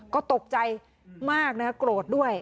ก็ตกใจมากนะครับโกรธด้วย